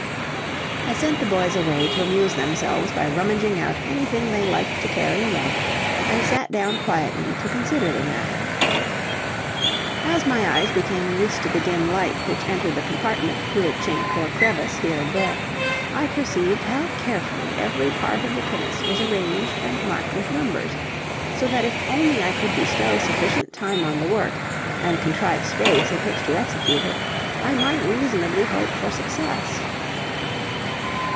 I sent the boys away to amuse themselves by rummaging out anything they liked to carry away, and sat down quietly to consider the matter. As my eyes became used to the dim light which entered the compartment through a chink or crevice here and there, I perceived how carefully every part of the pinnace was arranged and marked with numbers, so that if only I could bestow sufficient time on the work, and contrive space in which to execute it, I might reasonably hope for success.